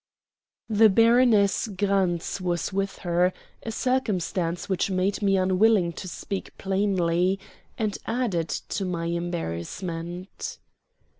The Baroness Gratz was with her, a circumstance which made me unwilling to speak plainly and added to my embarrassment.